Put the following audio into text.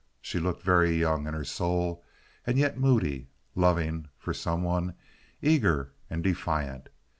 She looked very young in her soul, and yet moody—loving (for some one), eager, and defiant.